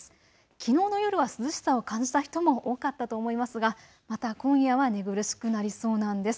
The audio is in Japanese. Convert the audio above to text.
きのうの夜は涼しさを感じた人も多かったと思いますが、また今夜は寝苦しくなりそうなんです。